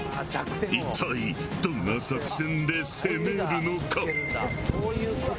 一体どんな作戦で攻めるのか。